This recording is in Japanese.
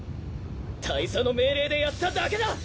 大佐の命令でやっただけだ！